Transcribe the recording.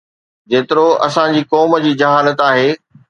جيترو اسان جي قوم جي جهالت آهي